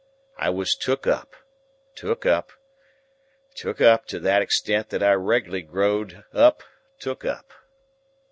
I was took up, took up, took up, to that extent that I reg'larly grow'd up took up.